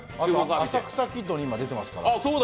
浅草キッドに今、出てますかそうだ。